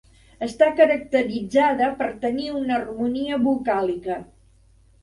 Està caracteritzada per tenir una harmonia vocàlica.